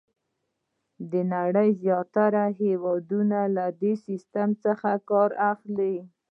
د نړۍ زیاتره هېوادونه له دې سیسټم څخه کار اخلي.